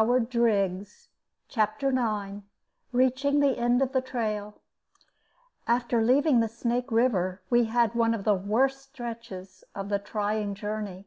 "] CHAPTER NINE REACHING THE END OF THE TRAIL AFTER leaving the Snake River we had one of the worst stretches of the trying journey.